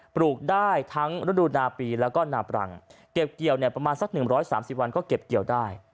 ปลูกได้ทั้งฤดูนาปีแล้วก็นาปรังเก็บเกี่ยวเนี่ยประมาณสัก๑๓๐วันก็เก็บเกี่ยวได้